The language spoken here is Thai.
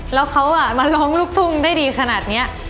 แล้วเขามาร้องลูกทุ่งได้ดีขนาดนี้